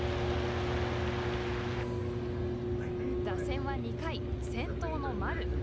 打線は２回、先頭の丸。